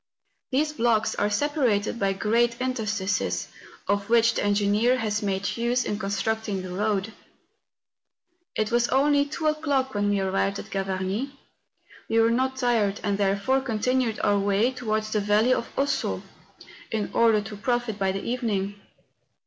These blocks are separated by great inter¬ stices, of which the engineer has made use in con¬ structing the road. It was only two o'clock when we arrived at Ga varnie. We were not tired and therefore continued our way towards the Valley of Ossau, in order to profit by the evening.